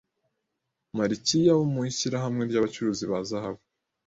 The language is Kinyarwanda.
Malikiya wo mu ishyirahamwe ry abacuzi ba zahabu